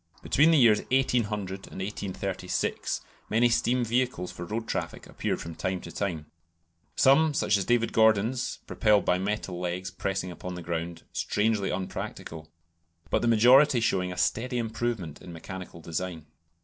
Between the years 1800 and 1836 many steam vehicles for road traffic appeared from time to time, some, such as David Gordon's (propelled by metal legs pressing upon the ground), strangely unpractical, but the majority showing a steady improvement in mechanical design.